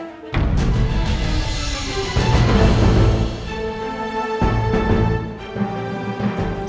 biar saya bersihin